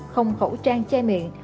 không khẩu trang che miệng